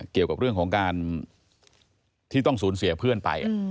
เกี่ยวกับเรื่องของการที่ต้องสูญเสียเพื่อนไป